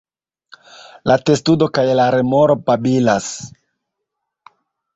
La testudo kaj la remoro babilas.